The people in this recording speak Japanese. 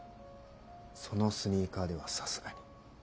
そのスニーカーではさすがに。